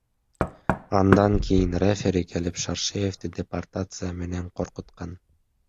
Андан кийин рефери келип, Шаршеевди депортация менен коркуткан.